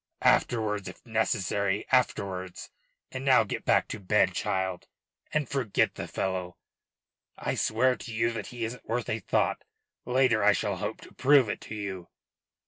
"Afterwards if necessary, afterwards. And now get back to bed, child, and forget the fellow. I swear to you that he isn't worth a thought. Later I shall hope to prove it to you."